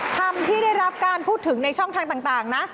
คำที่ได้รับการพูดถึงในช่องทางต่างนะ